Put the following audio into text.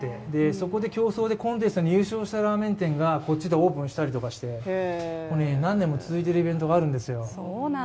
そこで競争でコンテストに優勝したラーメン店がこっちでオープンしたりとかして何年も続いているイベントがあるんですよ。